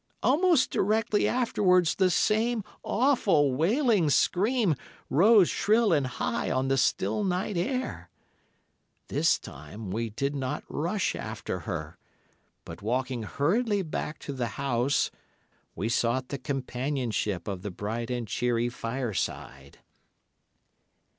Almost directly afterwards, the same awful, wailing scream rose shrill and high on the still night air. This time we did not rush after her, but, walking hurriedly back to the house, we sought the companionship of the bright and cheery fireside.